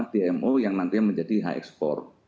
dmo yang nantinya menjadi h export